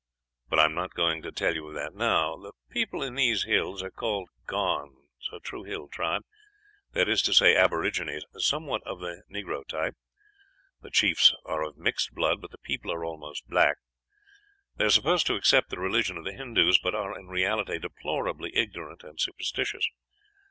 But I am not going to tell you of that now. The people in these hills are called Gonds, a true hill tribe that is to say, aborigines, somewhat of the negro type. The chiefs are of mixed blood, but the people are almost black. They are supposed to accept the religion of the Hindus, but are in reality deplorably ignorant and superstitious.